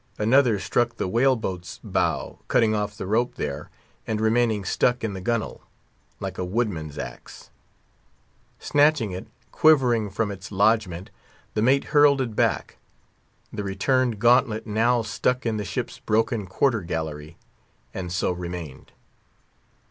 Another struck the whale boat's bow, cutting off the rope there, and remaining stuck in the gunwale like a woodman's axe. Snatching it, quivering from its lodgment, the mate hurled it back. The returned gauntlet now stuck in the ship's broken quarter gallery, and so remained.